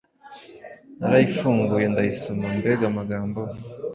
Narayifunguye ndayisoma...mbega amagambo